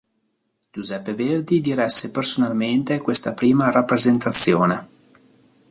Giuseppe Verdi diresse personalmente questa prima rappresentazione.